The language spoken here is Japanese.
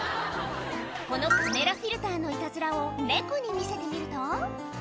このカメラフィルターのいたずらを猫に見せてみると。